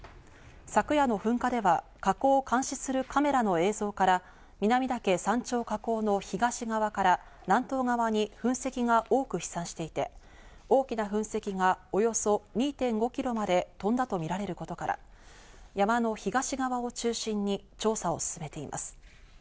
昨夜の噴火では火口を監視するカメラの映像から南岳山頂火口の東側から南東側に噴石が多く飛散していて、大きな噴石がおよそ２．５キロまで飛んだとみられることから、山の東側を中心に調査を進めています。